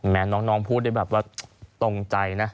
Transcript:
แหมน้องพูดได้ตรงใจนะ